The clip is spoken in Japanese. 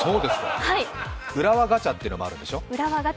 浦和ガチャというのもあるんでしょ？